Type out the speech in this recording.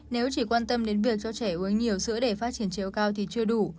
nếu chỉ quan tâm đến việc cho trẻ uống nhiều sữa để phát triển chiều cao thì chưa đủ